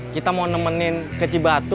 kita mau nemenin ke cibatu